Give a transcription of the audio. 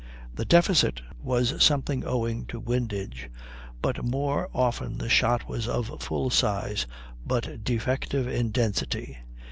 The deficit was sometimes owing to windage, but more often the shot was of full size but defective in density.